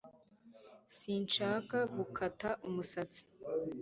sinshaka gukata umusatsi